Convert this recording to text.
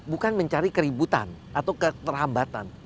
bukan mencari keributan atau keterlambatan